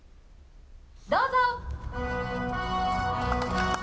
どうぞ。